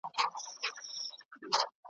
سلماني ویل خبره دي منمه `